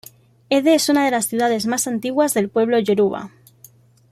Ede es una de las ciudades más antiguas del pueblo Yoruba.